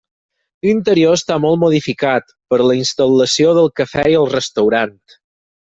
L'interior està molt modificat, per la instal·lació del Cafè i el Restaurant.